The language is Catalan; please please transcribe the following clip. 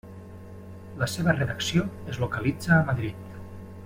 La seva redacció es localitza a Madrid.